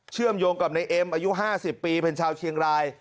มโยงกับในเอ็มอายุ๕๐ปีเป็นชาวเชียงราย